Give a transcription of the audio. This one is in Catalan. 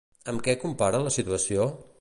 Amb què compara la situació?